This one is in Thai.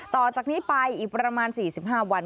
ต่อจากนี้ไปอีกประมาณ๔๕วัน